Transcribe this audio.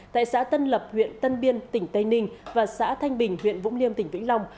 tại xã tân lập huyện tân biên tỉnh tây ninh và xã thanh bình huyện vũng liêm tỉnh vĩnh long